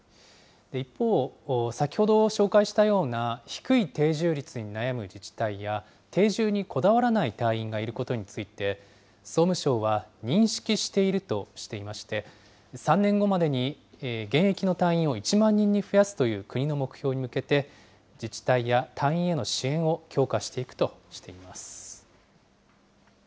一方、先ほど紹介したような低い定住率に悩む自治体や、定住にこだわらない隊員がいることについて、総務省は認識しているとしていまして、３年後までに現役の隊員を１万人に増やすという国の目標に向けて、自治体や隊員への支援を強化していくとしています。